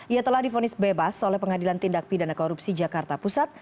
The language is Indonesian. ia telah difonis bebas oleh pengadilan tindak pidana korupsi jakarta pusat